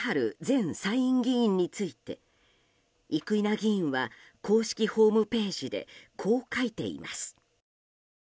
前参院議員について生稲議員は公式ホームページでこう書いています。